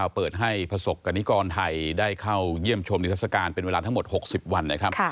เปิดให้ประสบกรณิกรไทยได้เข้าเยี่ยมชมนิทัศกาลเป็นเวลาทั้งหมด๖๐วันนะครับ